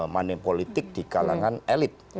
manipulasi di kalangan elit